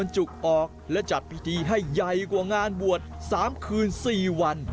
จุกออกและจัดพิธีให้ใหญ่กว่างานบวช๓คืน๔วัน